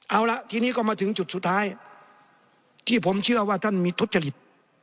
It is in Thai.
เอาละทีนี้ก็มาถึงจุดสุดท้ายที่ผมเชื่อว่าท่านมีทุจริต